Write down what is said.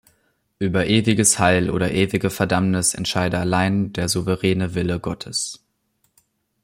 Über ewiges Heil oder ewige Verdammnis entscheide allein der souveräne Wille Gottes.